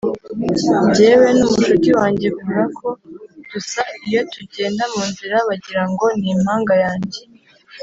njyewe nu mushuti wanjy kurako dusa iyo tugenda munzira bagirango nimpanga yanjye